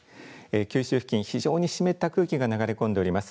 九州付近、非常に湿った空気が流れ込んでおります。